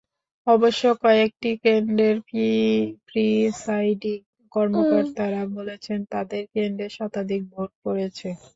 অবশ্য কয়েকটি কেন্দ্রের প্রিসাইডিং কর্মকর্তারা বলেছেন, তাঁদের কেন্দ্রে শতাধিক ভোট পড়েছে।